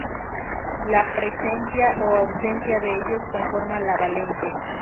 La presencia o ausencia de ellos conforma la valencia.